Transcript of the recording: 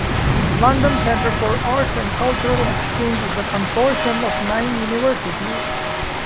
London Centre for Arts and Cultural Exchange is a consortium of nine universities.